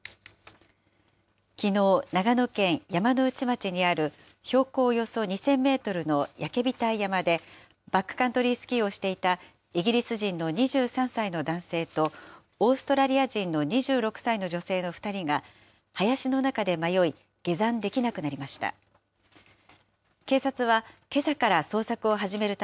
きのう、長野県山ノ内町にある標高およそ２０００メートルの焼額山で、バックカントリースキーをしていたイギリス人の２３歳の男性と、オーストラリア人の２６歳の女性の２人が、林の中で迷い、下山できなくなりました。